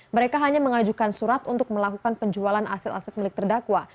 mereka hanya mengajukan surat untuk melakukan penjualan aset aset milik terdakwa